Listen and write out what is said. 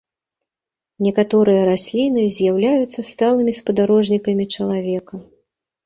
Некаторыя расліны з'яўляюцца сталымі спадарожнікамі чалавека.